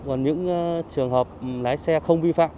còn những trường hợp lái xe không vi phạm